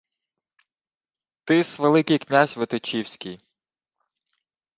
— Ти-с Великий князь витичівський.